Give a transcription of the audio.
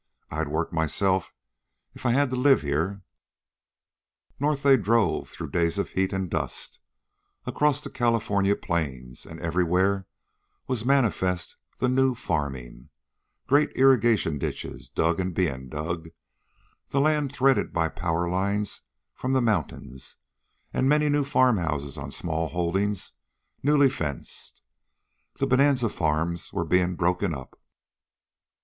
I'd work myself, if I had to live here." North they drove, through days of heat and dust, across the California plains, and everywhere was manifest the "new" farming great irrigation ditches, dug and being dug, the land threaded by power lines from the mountains, and many new farmhouses on small holdings newly fenced. The bonanza farms were being broken up.